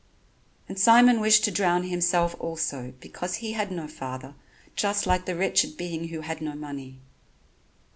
And Simon wished to drown himself also because he had no father, just like the wretched being who had no money.